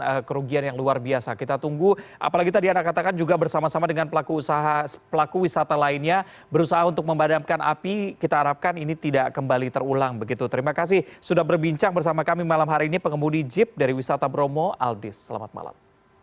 ada kerugian yang luar biasa kita tunggu apalagi tadi anda katakan juga bersama sama dengan pelaku usaha pelaku wisata lainnya berusaha untuk memadamkan api kita harapkan ini tidak kembali terulang begitu terima kasih sudah berbincang bersama kami malam hari ini pengemudi jeep dari wisata bromo aldis selamat malam